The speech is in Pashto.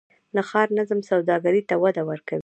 د ښار نظم سوداګرۍ ته وده ورکوي؟